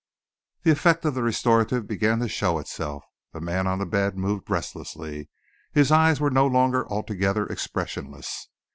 The effect of the restorative began to show itself. The man on the bed moved restlessly. His eyes were no longer altogether expressionless.